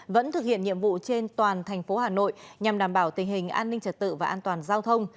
vẫn thực hiện nhiệm vụ trên toàn thành phố hà nội nhằm đảm bảo tình hình an ninh trật tự và an toàn giao thông